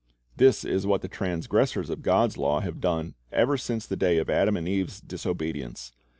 This is what the transgressors of God's law have done ever since the day of Adam and Eve's disobedience.